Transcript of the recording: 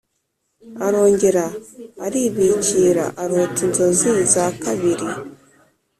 Arongera aribikira arota inzozi za kabiri